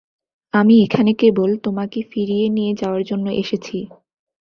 আমি এখানে কেবল তোমাকে ফিরিয়ে নিয়ে যাওয়ার জন্য এসেছি।